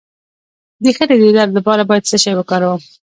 د خیټې د درد لپاره باید څه شی وکاروم؟